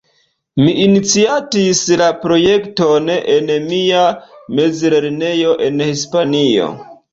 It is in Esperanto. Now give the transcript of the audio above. Mi iniciatis la projekton en mia mezlernejo en Hispanio.